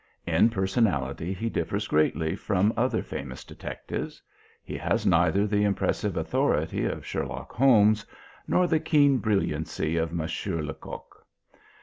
In personality he differs greatly from other famous detectives. He has neither the impressive authority of Sherlock Holmes, nor the keen brilliancy of Monsieur Lecoq.